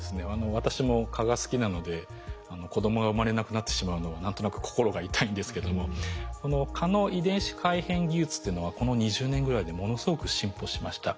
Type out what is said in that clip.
私も蚊が好きなので子どもが生まれなくなってしまうのは何となく心が痛いんですけどもこの蚊の遺伝子改変技術というのはこの２０年ぐらいでものすごく進歩しました。